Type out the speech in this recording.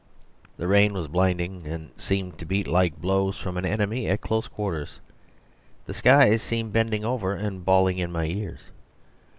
The rain was blinding and seemed to beat like blows from an enemy at close quarters; the skies seemed bending over and bawling in my ears.